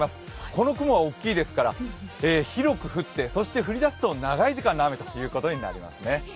この雲は大きいですから、広く降ってそして降り出すと長い時間の雨ということになりそうですね。